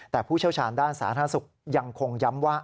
แต่ผู้เชี่ยวชาญด้านสาธารณสุขยังคงย้ำว่า